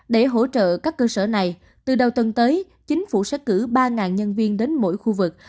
để hỗ trợ các cơ sở này từ đầu tuần tới chính phủ sẽ cử ba nhân viên đến mỗi khu vực